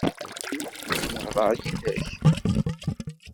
Nezmer ad nehder yid-k?